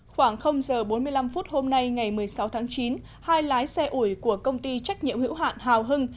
khoảng giờ bốn mươi năm phút hôm nay ngày một mươi sáu tháng chín hai lái xe ủi của công ty trách nhiệm hữu hạn hào hưng